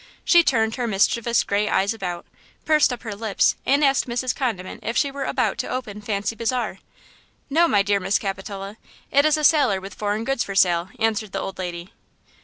She turned her mischievous gray eyes about, pursed up her lips and asked Mrs. Condiment if she were about to open fancy bazaar. "No, my dear Miss Capitola! It is a sailor with foreign goods for sale," answered the old lady.